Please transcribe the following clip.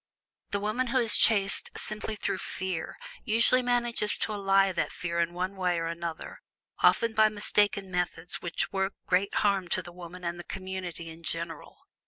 The woman who is chaste simply through fear, usually manages to allay that fear in one way or another, often by mistaken methods which work great harm to the woman and the community in general.